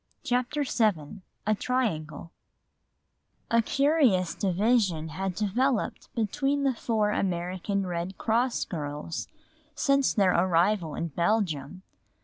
CHAPTER VII A Triangle A curious division had developed between the four American Red Cross girls since their arrival in Belgium.